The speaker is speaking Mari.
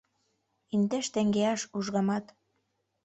Индеш теҥгеаш ужгамат